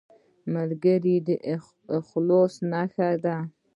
ملګری د خلوص نښه ده